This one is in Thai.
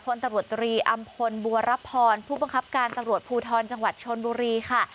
พลตำรวจตรีอำพลบัวรับพรผู้บังคับการตำรวจภูทรจังหวัดชนบุรีค่ะ